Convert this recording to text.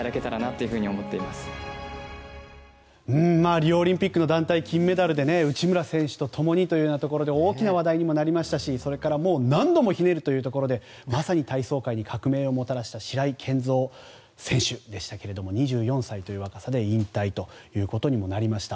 リオオリンピックの団体金メダルで内村選手と共にというようなところで大きな話題にもなりましたしそれから何度もひねるというところでまさに体操界に革命をもたらした白井健三選手でしたけども２４歳という若さで引退ということにもなりました。